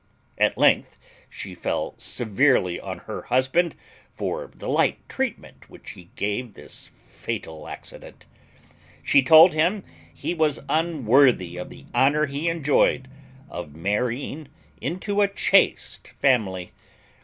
At length she fell severely on her husband for the light treatment which he gave this fatal accident. She told him he was unworthy of the honour he enjoyed of marrying into a chaste family.